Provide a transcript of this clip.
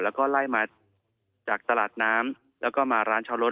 แล้วก็ไล่มาจากตลาดน้ำแล้วก็มาร้านชาวรถ